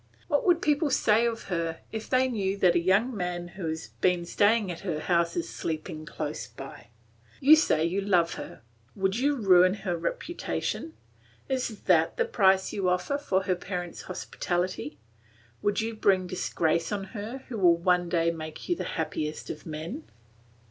What would people say of her if they knew that a young man who has been staying at her house was sleeping close by? You say you love her! Would you ruin her reputation? Is that the price you offer for her parents' hospitality? Would you bring disgrace on her who will one day make you the happiest of men?"